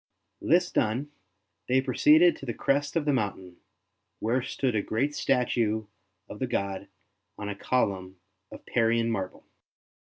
This done, they proceeded to the crest of the mountain, where stood a great statue of the god on a column of Parian marble.